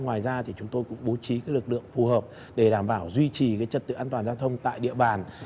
ngoài ra thì chúng tôi cũng bố trí lực lượng phù hợp để đảm bảo duy trì trật tự an toàn giao thông tại địa bàn